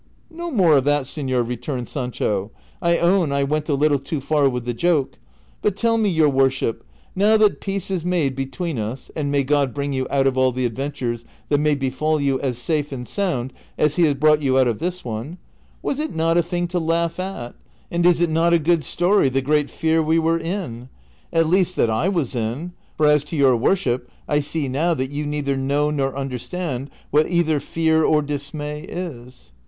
"No more of that, senor," returned Sancho ; "I own I went CHAPTER XX. 145 a little too far Avitli the joke. But tell me, your worship, now that peace is made between us (and may God bring you out of all the adventures that may befall you as safe and sound as he has brought you out of this one), was it not a thing to laiigli at, and is it not a good story, the great fear we were in? — at least that I was in ; for as to your worship I see now that you neither know nor understand what either fear or dismay is."